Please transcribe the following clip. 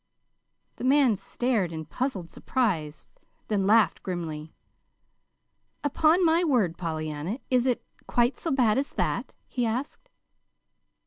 The man stared in puzzled surprise, then laughed grimly. "Upon my word, Pollyanna, is it quite so bad as that?" he asked.